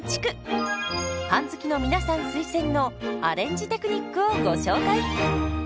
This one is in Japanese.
パン好きの皆さん推薦のアレンジテクニックをご紹介。